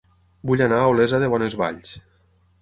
Vull anar a Olesa de Bonesvalls